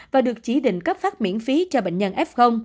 và được chỉ định cấp phát miễn phí cho bệnh nhân f